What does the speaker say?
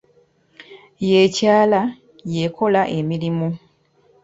Y'ekyala, y'ekola emirimu.